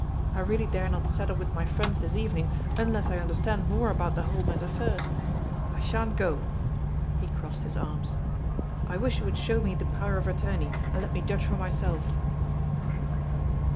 I really dare not settle with my friends this evening, unless I understand nu)re about the whole matter first. I sha'n't go." He crossed his arms. " I wish you would show me the Power of Attorney, and let me judge for myself."